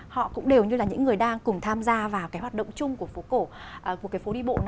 họ cũng đều như là những người đang cùng tham gia vào cái hoạt động chung của phố cổ